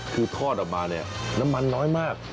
คือทอดออกมาเนี่ยน้ำมันน้อยมาก